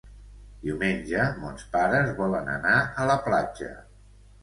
Diumenge mons pares volen anar a la platja.